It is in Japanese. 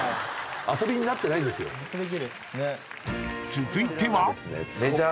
［続いては］